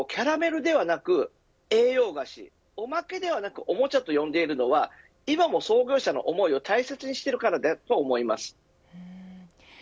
江崎グリコがグリコをキャラメルではなく栄養菓子、おまけではなくおもちゃと呼んでいるのは今も創業者の思いを大切にしているからだと思います。